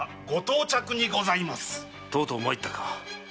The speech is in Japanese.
とうとう参ったか。